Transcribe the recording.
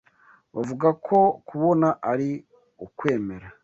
Bavuga ko kubona ari ukwemera.